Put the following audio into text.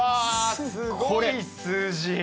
すごい数字。